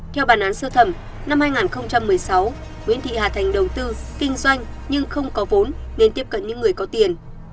theo bản án sơ thẩm năm hai nghìn một mươi sáu nguyễn thị hà thành đầu tư kinh doanh nhưng không có vốn nên tiếp cận những người có tiền